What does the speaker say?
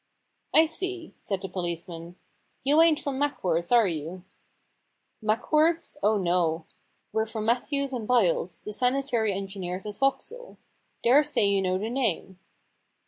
* I see,' said the policeman. * You ain't from Mackworth's, are you ?'* Mackworth's ? Oh, no. We're from Matthews and Byles, the sanitary engineers at Vauxhall. Dare say you know the name.'